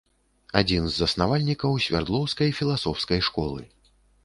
Адзін з заснавальнікаў свярдлоўскай філасофскай школы.